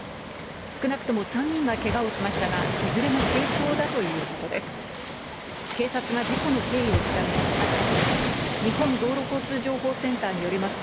少なくとも３人がけがをしましたが、いずれも軽傷だということです。